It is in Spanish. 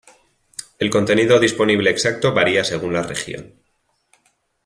El contenido disponible exacto varía según la región.